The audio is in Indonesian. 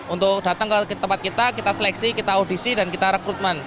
untuk datang ke tempat kita kita seleksi kita audisi dan kita rekrutmen